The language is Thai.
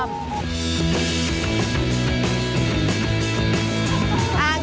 น่ากันคุณชิวิชใส่เลยราธิฐานด้วย